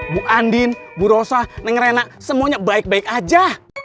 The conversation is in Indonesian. bu andin bu rosa dengerinak semuanya baik baik aja